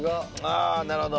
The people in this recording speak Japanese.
ああなるほど。